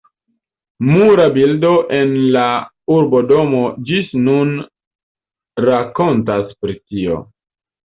Mura bildo en la urbodomo ĝis nun rakontas pri tio.